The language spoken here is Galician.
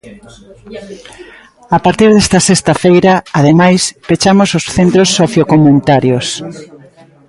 A partir desta sexta feira, ademais, "pechamos os centros sociocomuntarios".